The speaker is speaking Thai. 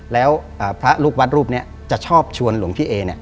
แล้วพระลูกวัดรูปนี้จะชอบชวนหลวงพี่เอ